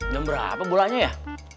jam berapa bolanya ya